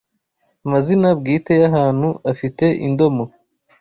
Amazina bwite y’ahantu afite indomo